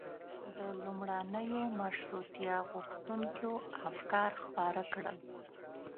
د لومړنیو مشروطیه غوښتونکيو افکار خپاره کړل.